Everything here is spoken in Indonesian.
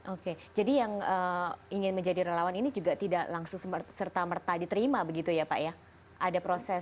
oke jadi yang ingin menjadi relawan ini juga tidak langsung serta merta diterima begitu ya pak ya